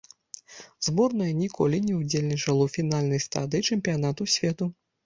Зборная ніколі не ўдзельнічала ў фінальнай стадыі чэмпіянату свету.